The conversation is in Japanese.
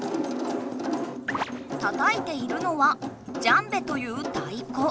たたいているのは「ジャンベ」というたいこ。